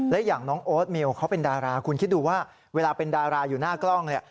และอย่างน้องโอ๊ตเมลเขาเป็นดาราคุณคิดดูว่าเวลาเป็นดาราอยู่หน้ากล้องเนี่ย